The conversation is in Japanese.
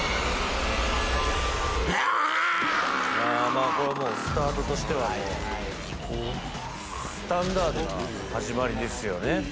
まあこれもうスタートとしてはもうスタンダードな始まりですよね。